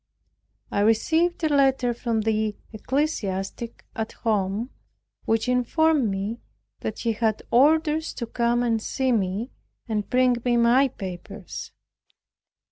I received a letter from the ecclesiastic at home, which informed me that he had orders to come and see me, and bring my papers.